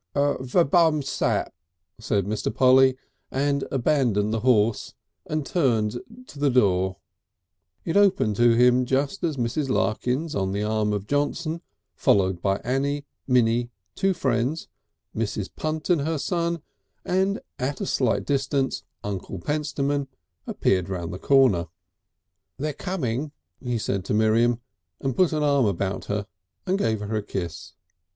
"Verbum sap," said Mr. Polly, and abandoned the horse and turned, to the door. It opened to him just as Mrs. Larkins on the arm of Johnson, followed by Annie, Minnie, two friends, Mrs. Punt and her son and at a slight distance Uncle Pentstemon, appeared round the corner. "They're coming," he said to Miriam, and put an arm about her and gave her a kiss.